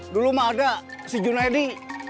dulu mah ada si junaidi